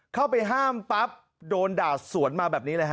เข้าไปห้ามปั๊บโดนด่าสวนมาแบบนี้เลยฮะ